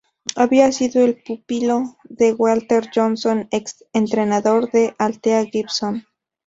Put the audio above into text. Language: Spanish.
Había sido el pupilo de Walter Johnson, ex-entrenador de Althea Gibson.